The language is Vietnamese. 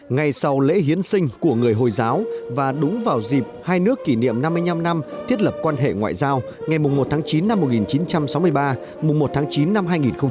ngày sau lễ hiến sinh của người hồi giáo và đúng vào dịp hai nước kỷ niệm năm mươi năm năm thiết lập quan hệ ngoại giao ngày một tháng chín năm một nghìn chín trăm sáu mươi ba mùng một tháng chín năm hai nghìn hai mươi